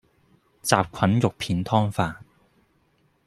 什菌肉片湯飯